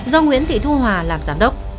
do nguyễn thị thu hòa làm giám đốc